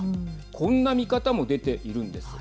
こんな見方も出ているんですね。